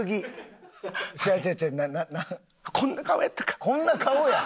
こんな顔や。